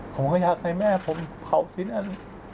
ผมก็อยากให้แม่ผมเผากินอัน